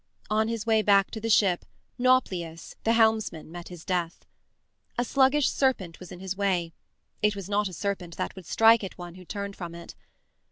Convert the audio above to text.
On his way back to the ship, Nauplius, the helmsman, met his death. A sluggish serpent was in his way it was not a serpent that would strike at one who turned from it.